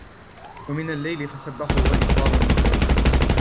ومن الليل فسبحه وإدبار النجوم